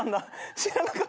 知らなかった。